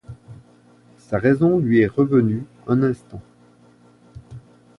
Sa raison lui est revenue un instant !